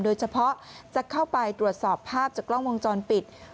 โดยเฉพาะจะเข้าไปตรวจสอบภาพจากกล้องวงจรปิด